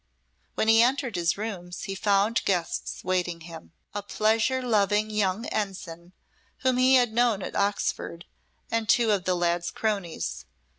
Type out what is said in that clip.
When he entered his rooms he found guests waiting him. A pleasure loving young ensign, whom he had known at Oxford, and two of the lad's cronies.